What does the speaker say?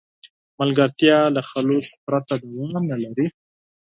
ملګرتیا له خلوص پرته دوام نه لري.